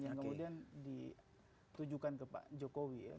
yang kemudian ditujukan ke pak jokowi ya